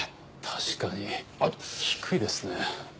確かに低いですね。